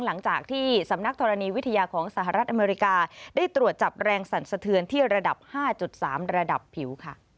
หลังจากที่สำนักธรณีวิทยาของสหรัฐอเมริกาได้ตรวจจับแรงสั่นสะเทือนที่ระดับ๕๓ระดับผิวค่ะ